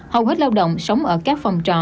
hầu hết lao động sống ở các phòng trò